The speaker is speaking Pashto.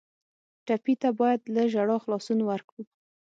ټپي ته باید له ژړا خلاصون ورکړو.